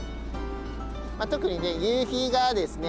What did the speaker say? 特にね夕日がですね